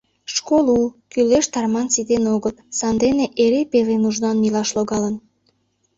Школ у, кӱлеш тарман ситен огыл, сандене эре пеле нужнан илаш логалын.